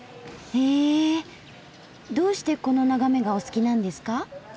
どうしてこの眺めがお好きなんですか？